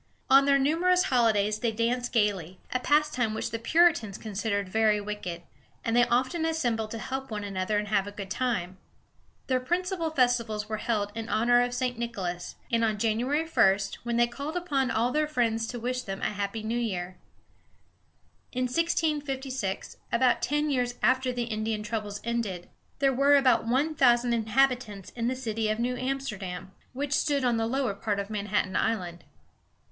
On their numerous holidays they danced gayly, a pastime which the Puritans considered very wicked, and they often assembled to help one another and have a good time. Their principal festivals were held in honor of St. Nicholas, and on January 1, when they called upon all their friends to wish them a happy New Year. In 1656, about ten years after the Indian troubles ended, there were about one thousand inhabitants in the city of New Amsterdam, which stood on the lower part of Manhattan Island.